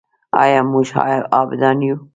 آیا موږ عابدان یو؟